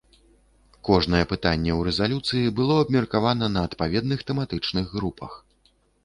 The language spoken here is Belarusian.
Кожнае пытанне ў рэзалюцыі было абмеркавана на адпаведных тэматычных групах.